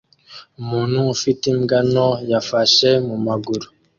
umuntu ufite imbwa nto yafashwe mumaguru